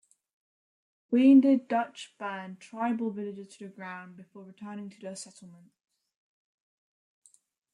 Wounded Dutch burned tribal villages to the ground before returning to their settlements.